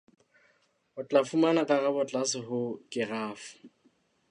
O tla fumana karabo tlase ho kerafo.